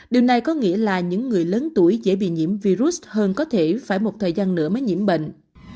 điều này có nghĩa là những người lớn tuổi dễ bị nhiễm virus hơn có thể phải một thời gian nữa mới nhiễm bệnh